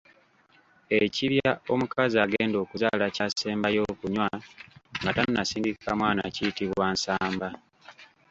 Ekibya omukazi agenda okuzaala kyasembayo okunywa nga tannasindika mwana kiyitibwa, Nsamba.